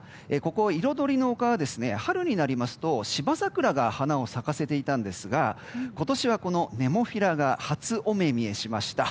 いろどりの丘は春になりますと芝桜が花を咲かせていたんですが今年はネモフィラが初お目見えしました。